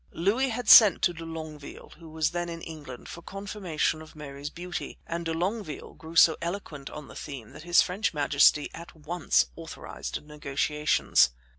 Louis had sent to de Longueville, who was then in England, for confirmation of Mary's beauty, and de Longueville grew so eloquent on the theme that his French majesty at once authorized negotiations.